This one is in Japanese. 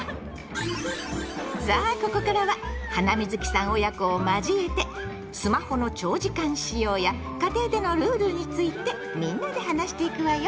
さあここからはハナミズキさん親子を交えて「スマホの長時間使用」や「家庭でのルール」についてみんなで話していくわよ。